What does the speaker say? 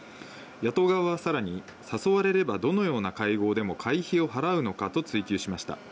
野党側はさらに、誘われればどのような会合でも会費を払うのかと追及しました。